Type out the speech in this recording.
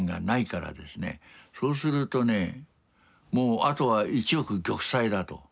そうするとねもうあとは一億玉砕だと。